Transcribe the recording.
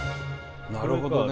なるほどね。